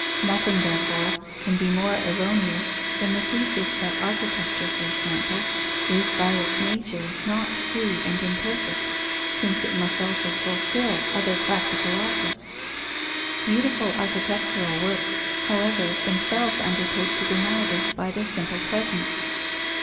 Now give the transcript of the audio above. Nothing, therefore, can be more erroneous than the thesis that architecture, for example, is by its nature not free and imperfect, since it must also fulfil other practical objects. Beautiful architectural works, however, themselves undertake to deny this by their simple presence.